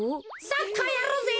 サッカーやろうぜ。